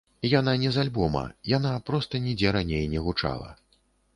Яна не з альбома, яна проста нідзе раней не гучала.